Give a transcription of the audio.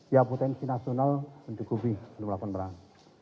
ya potensi nasional mencukupi untuk melakukan perang